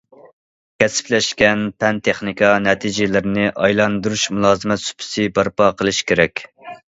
كەسىپلەشكەن پەن- تېخنىكا نەتىجىلىرىنى ئايلاندۇرۇش مۇلازىمەت سۇپىسى بەرپا قىلىش كېرەك.